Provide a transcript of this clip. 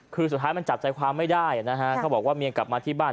คือสุดท้ายมันจับใจความไม่ได้นะฮะเขาบอกว่าเมียกลับมาที่บ้าน